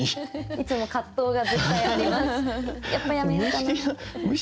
いつも葛藤が絶対あります。